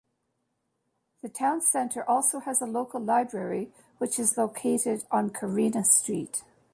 The town centre also has a local library which is located on Corinna Street.